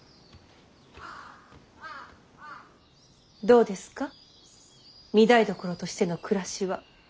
どうですか御台所としての暮らしは。